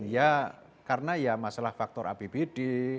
ya karena ya masalah faktor apbd